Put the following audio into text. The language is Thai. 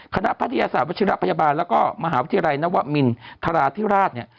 คณะพัทยาศาสตร์วจิรัติพยาบาลแล้วก็มหาวิทยาลัยนวมินทราธิราช